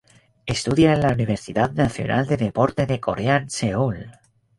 Estudia en la Universidad Nacional de Deporte de Corea en Seúl.